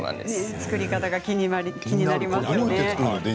作り方が気になりますね。